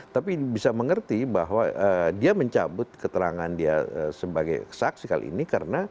tapi bisa mengerti bahwa dia mencabut keterangan dia sebagai saksi kali ini karena